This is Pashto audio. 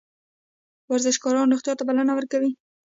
ورزشکار روغتیا ته بلنه ورکوي